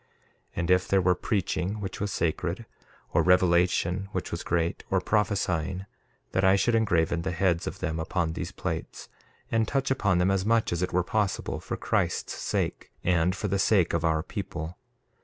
1:4 And if there were preaching which was sacred, or revelation which was great, or prophesying, that I should engraven the heads of them upon these plates, and touch upon them as much as it were possible, for Christ's sake, and for the sake of our people.